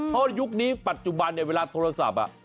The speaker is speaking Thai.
เพราะยุคนี้ปัจจุบันเนี่ยเวลาโทรศัพท์